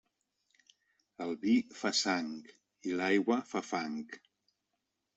El vi fa sang i l'aigua fa fang.